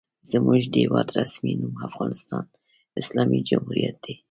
زموږ د هېواد رسمي نوم افغانستان اسلامي جمهوریت دی.